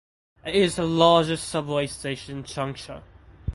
It is the largest subway station in Changsha.